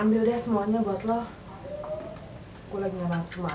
ambil deh semuanya buat lo gue udah nyerap semua makan